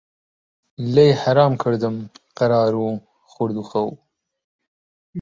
لێی حەرام کردم قەرار و خورد و خەو